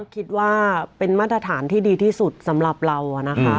คิดว่าเป็นมาตรฐานที่ดีที่สุดสำหรับเรานะคะ